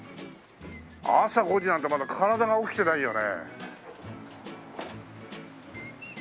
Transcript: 朝５時なんてまだ体が起きてないよね。